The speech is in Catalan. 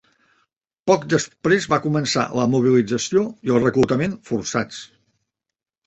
Poc després va començar la mobilització i el reclutament forçats.